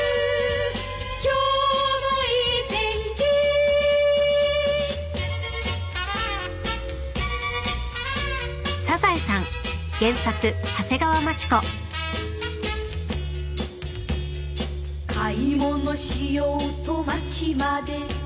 「今日もいい天気」「買い物しようと街まで」